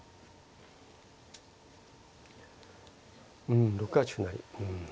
うん６八歩成うん。